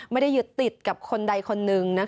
ไม่ได้ยึดติดกับคนใดคนหนึ่ง